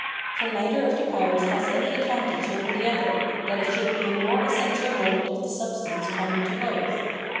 For neither of the powers has any advantage over the other that it should be a more essential moment of the substance common to both.